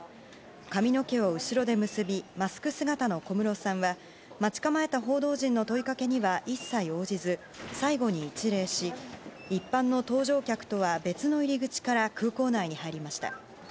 髪の毛を後ろで結びマスク姿の小室さんは待ち構えた報道陣の問いかけには一切応じず最後に一礼し一般の搭乗客とは別の入り口から空港内に入りました。